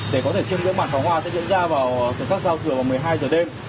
để có thể chương trình bắn pháo hoa sẽ diễn ra vào các giao thưởng vào một mươi hai h đêm